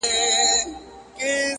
نجلۍ ګلسوم له درد سره مخ,